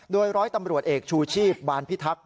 โดยร้อยตำรวจเอกชูชีพบานพิทักษ